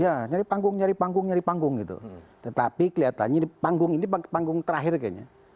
ya nyari panggung nyari panggung nyari panggung gitu tetapi kelihatannya di panggung ini panggung terakhir kayaknya